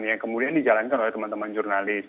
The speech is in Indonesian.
yang kemudian dijalankan oleh teman teman jurnalis